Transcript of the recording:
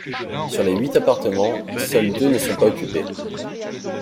Sur les huit appartements, seuls deux ne sont pas occupés.